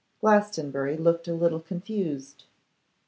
Glastonbury looked a little confused.